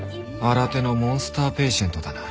新手のモンスターペイシェントだな。